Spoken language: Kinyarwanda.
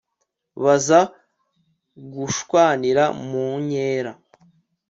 baza gushwanira mu nkera